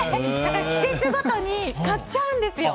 季節ごとに買っちゃうんですよ。